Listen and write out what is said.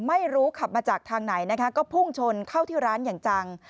ไม่รู้ขับมาจากทางไหนนะคะก็พุ่งชนเข้าที่ร้านอย่างจัง